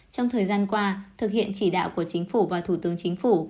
trong thời gian qua thực hiện chỉ đạo của chính phủ và thủ tướng chính phủ